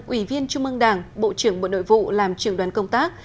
ủy viên trung mương đảng bộ trưởng bộ đội vụ làm trường đoán công tác